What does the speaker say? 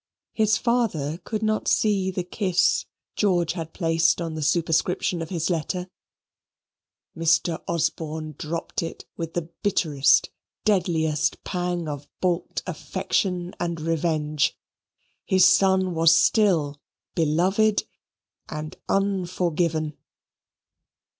His father could not see the kiss George had placed on the superscription of his letter. Mr. Osborne dropped it with the bitterest, deadliest pang of balked affection and revenge. His son was still beloved and unforgiven.